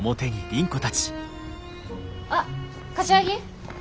あっ柏木。